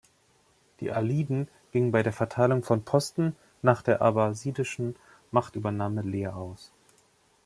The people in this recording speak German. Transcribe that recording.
Die Aliden gingen bei der Verteilung von Posten nach der abbasidischen Machtübernahme leer aus.